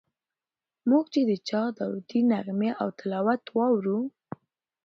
موږ چې د چا داودي نغمې او تلاوت واورو.